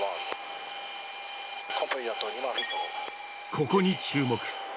ここに注目。